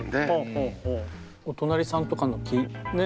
お隣さんとかのね